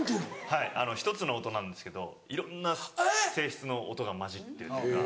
はい１つの音なんですけどいろんな性質の音が交じってるというか。